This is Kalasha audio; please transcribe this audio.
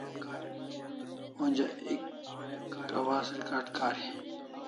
Onja ek awaz recard kari